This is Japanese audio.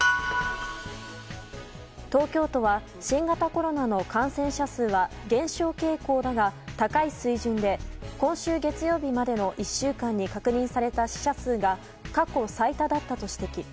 東京都は新型コロナの感染者数は減少傾向だが高い水準で今週月曜日までの１週間に確認された死者数が過去最多だったと指摘。